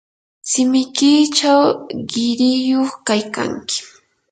shimikiychaw qiriyuq kaykanki.